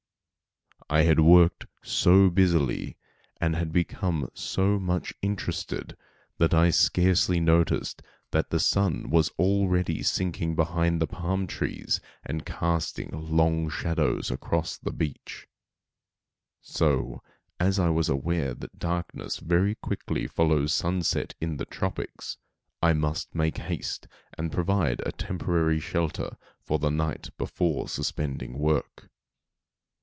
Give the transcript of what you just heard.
I had worked so busily and had become so much interested that I scarcely noticed that the sun was already sinking behind the palm trees, and casting long shadows across the beach; so, as I was aware that darkness very quickly follows sunset in the tropics, I must make haste and provide a temporary shelter for the night before suspending work.